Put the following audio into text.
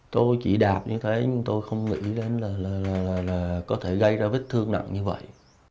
tôi chỉ đạp như thế nhưng tôi không nghĩ đến là có thể gây ra vết thương nặng như vậy